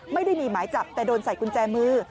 ไม่ได้มีหมายจับแต่โดนใส่กุญแจมือ